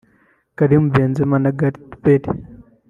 Karim Benzema na Gareth Bale